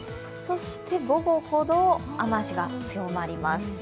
そして、午後ほど雨足が強まります